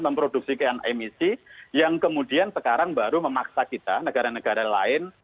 memproduksi emisi yang kemudian sekarang baru memaksa kita negara negara lain